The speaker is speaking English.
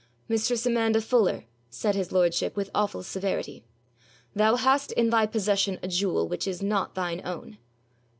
'Mistress Amanda Fuller,' said his lordship with awful severity, 'thou hast in thy possession a jewel which is not thine own.'